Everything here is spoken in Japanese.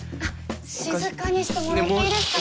静かにしてもらっていいですか？